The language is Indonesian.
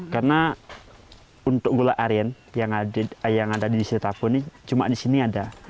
karena untuk gula aren yang ada di sidetapu ini cuma di sini ada